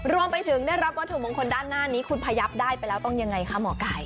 รวมไปถึงได้รับวัตถุมงคลด้านหน้านี้คุณพยับได้ไปแล้วต้องยังไงคะหมอไก่